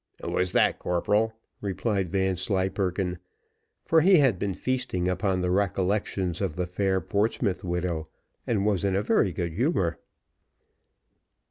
"Who was that, corporal?" replied Vanslyperken, for he had been feasting upon the recollections of the fair Portsmouth widow, and was in a very good humour.